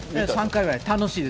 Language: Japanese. ３回ぐらい。